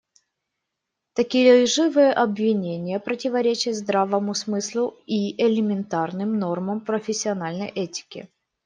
Такие лживые обвинения противоречат здравому смыслу и элементарным нормам профессиональной этики.